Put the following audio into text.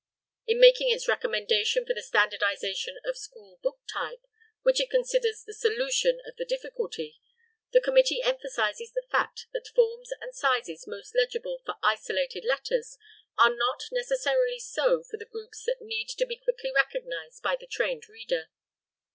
In making its recommendation for the standardization of school book type, which it considers the solution of the difficulty, the committee emphasizes the fact that forms and sizes most legible for isolated letters are not necessarily so for the groups that need to be quickly recognized by the trained reader.